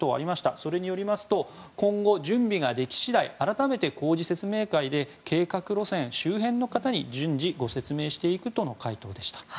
それによりますと今後、準備ができ次第改めて工事説明会で計画路線周辺の方に順次説明していくという回答でした。